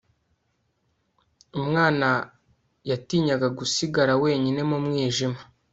umwana yatinyaga gusigara wenyine mu mwijima